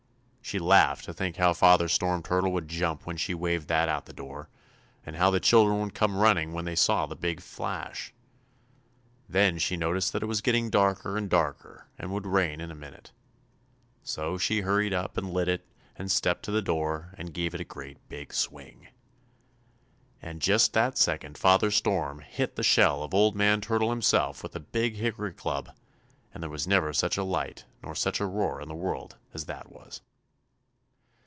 She laughed to think how Father Storm Turtle would jump when she waved that out the door, and how the children would come running when they saw the big flash. Then she noticed that it was getting darker and darker and would rain in a minute. So she hurried up and lit it and stepped to the door and gave it a great big swing. And just that second Father Storm hit the shell of Old Man Turtle Himself with a big hickory club, and there was never such a light nor such a roar in the world as that was.